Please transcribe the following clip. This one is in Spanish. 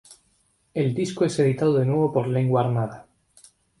El disco es editado de nuevo por Lengua Armada.